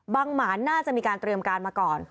หมานน่าจะมีการเตรียมการมาก่อน